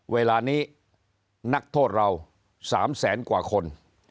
เวลานี้นักโทษเรา๓แสนกว่าคน